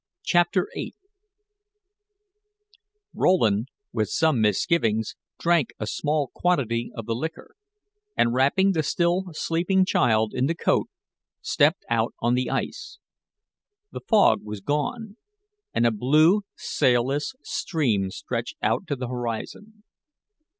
CHAPTER VIII Rowland, with some misgivings, drank a small quantity of the liquor, and wrapping the still sleeping child in the coat, stepped out on the ice. The fog was gone and a blue, sailless sea stretched out to the horizon.